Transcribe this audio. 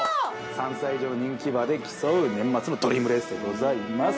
３歳以上の人気馬で競う年末のドリームレースでございます